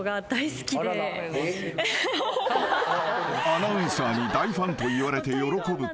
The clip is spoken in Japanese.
［アナウンサーに大ファンと言われて喜ぶ昴